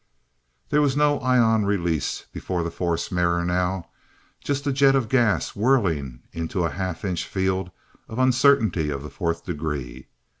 There was no ion release before the force mirror now. Just a jet of gas whirling into a half inch field of "Uncertainty of the Fourth Degree."